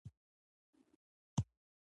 هیلۍ تل د اوبو د خندا سره ګډه خوښي ښيي